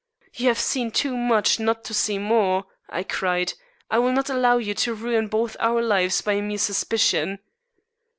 "You have seen too much not to see more," I cried. "I will not allow you to ruin both our lives by a mere suspicion."